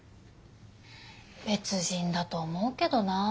別人だと思うけどな。